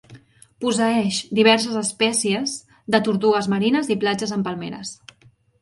Posseeix diverses espècies de tortugues marines i platges amb palmeres.